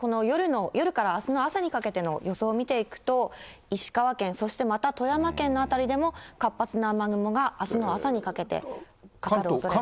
夜からあすの朝にかけての予想を見ていくと、石川県、そしてまた富山県の辺りでも、活発な雨雲があすの朝にかけて、かかるおそれがあります。